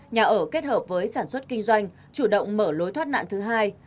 nhà ở kết hợp với sản xuất kinh doanh chủ động mở lối thoát nạn thứ hai